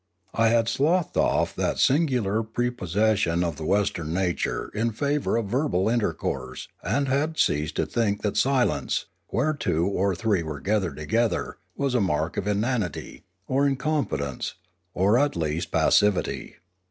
I had sloughed off that singular prepossession of the Western nature in favour of verbal intercourse and had ceased to think that silence, where two or three were gathered together, was a mark of inanity, or incompetence, or at least passivity.